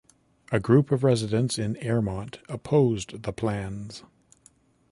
A group of residents in Airmont opposed the plans.